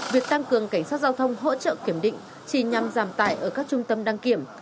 việc tăng cường cảnh sát giao thông hỗ trợ kiểm định chỉ nhằm giảm tải ở các trung tâm đăng kiểm